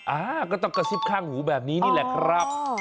อ่าก็ต้องกระซิบข้างหูแบบนี้นี่แหละครับ